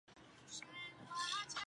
出生于美国马里兰州巴尔的摩。